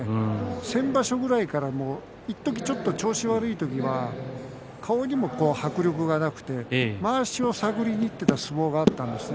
先場所ぐらいからいっとき、ちょっと調子悪い時は顔にも迫力がなくてまわしを探りにいっていた相撲があったんですね。